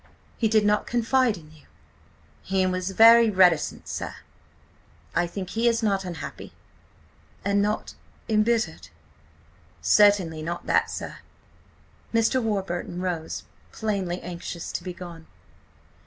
He did not confide in you?" "He was very reticent, sir. I think he is not unhappy." "And not–embittered?" "Certainly not that, sir." Mr. Warburton rose, plainly anxious to be gone.